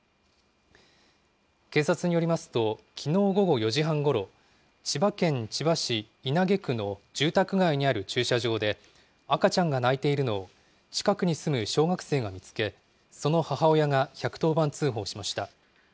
警察によりますと、きのう午後４時半ごろ、千葉県千葉市稲毛区の住宅街にある駐車場で、赤ちゃんが泣いているのを、近くに住む小学生が見つけ、その母親が１１０番通報しました。